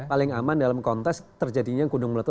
paling aman dalam konteks terjadinya gunung meletus